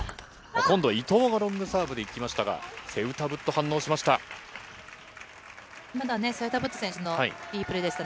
今度は伊藤がロングサーブでいきましたが、セウタブット、反応しました。